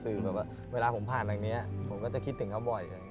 คือแบบว่าเวลาผมผ่านทางนี้ผมก็จะคิดถึงเขาบ่อย